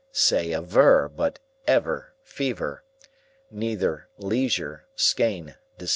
Say aver, but ever, fever, Neither, leisure, skein, receiver.